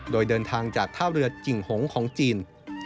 โดยเดินทางจากท่าเรือกิ่งหงของจีน